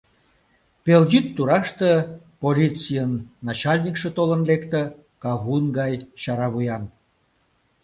Пелйӱд тураште полицийын начальникше толын лекте — кавун гай чаравуян.